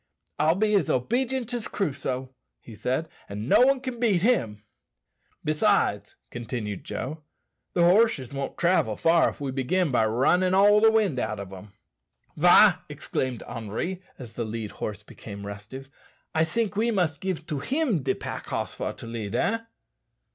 "I'll be as obedient as Crusoe," he said, "and no one can beat him." "Besides," continued Joe, "the horses won't travel far if we begin by runnin' all the wind out o' them." "Wah!" exclaimed Henri, as the led horse became restive; "I think we must give to him de pack hoss for to lead, eh?"